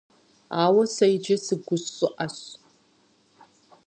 Ауэ сэ иджы сыгущӀыӀэщ.